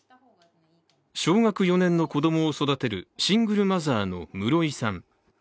小学４年の子供を育てるシングルマザーの室井さん。